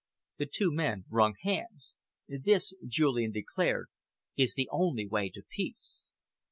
The two men wrung hands. "This," Julian declared, "is the only way to Peace."